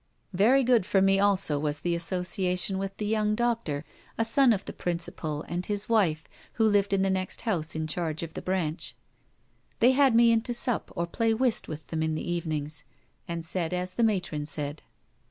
Very good for me also was the association with the young doctor, a son of the principal, and his wife, who lived in the next house in charge of the 'branch.' They had me in to sup or play whist with them in the evenings, and said as the matron said.